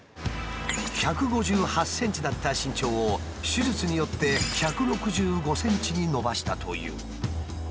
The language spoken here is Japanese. １５８ｃｍだった身長を手術によって１６５ｃｍに伸ばしたという。